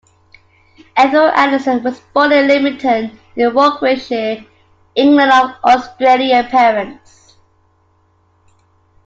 Ethel Anderson was born in Leamington, in Warwickshire, England of Australian parents.